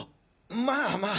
まあまあ。